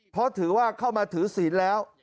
เพราะถือว่าเข้ามาถือศีลแล้ว